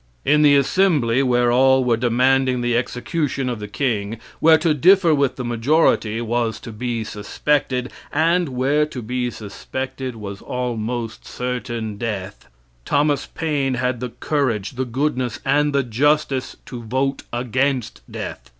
In the assembly, where all were demanding the execution of the king, where to differ with the majority was to be suspected, and where to be suspected was almost certain death Thomas Paine had the courage, the goodness, and the justice to vote against death.